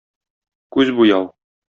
Күз буяу.